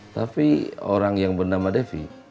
tapi orang yang bernama devi